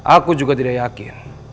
aku juga tidak yakin